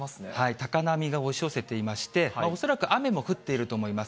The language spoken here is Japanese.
高波が押し寄せていまして、恐らく雨も降っていると思います。